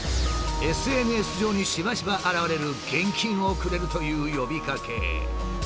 ＳＮＳ上にしばしば現れる現金をくれるという呼びかけ。